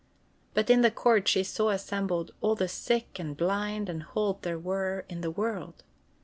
But in the court she saw assembled all the sick and blind and halt there were in the world.